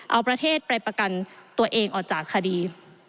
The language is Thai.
เอาประเทศไปประกันตัวเองออกจากคดี